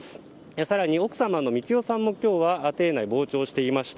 更に、奥様の光代さんも今日は廷内、傍聴していました。